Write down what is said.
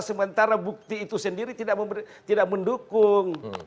sementara bukti itu sendiri tidak mendukung